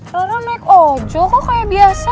ra naik ojol kok kayak biasa